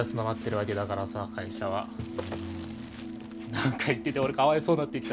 なんか言ってて俺かわいそうになってきた。